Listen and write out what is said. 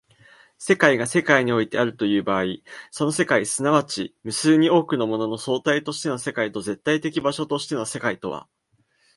世界が世界においてあるという場合、その世界即ち無数に多くのものの総体としての世界と絶対的場所としての世界とは